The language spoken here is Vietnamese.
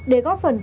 để góp phần tiền